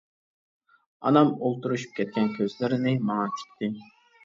ئانام ئولتۇرۇشۇپ كەتكەن كۆزلىرىنى ماڭا تىكتى.